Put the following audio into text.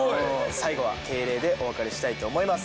最後は敬礼でお別れしたいと思います。